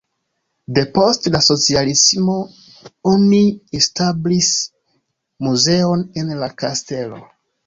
Depost la socialismo oni establis muzeon en la kastelo.